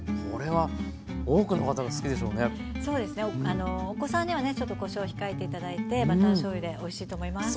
あのお子さんにはねちょっとこしょう控えて頂いてバターしょうゆでおいしいと思います。